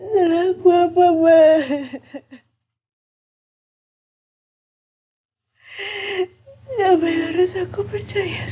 siapa yang harus aku percaya